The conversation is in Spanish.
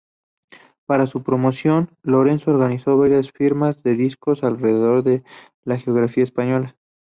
Para su promoción, Lorenzo organizó varias firmas de discos alrededor de la geografía española.